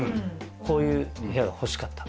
こういう部屋が欲しかった。